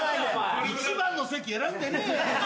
一番の席選んでねえよ。